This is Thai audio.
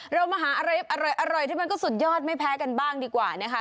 เรามาหาอะไรอร่อยที่มันก็สุดยอดไม่แพ้กันบ้างดีกว่านะคะ